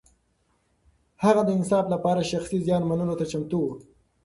هغه د انصاف لپاره شخصي زيان منلو ته چمتو و.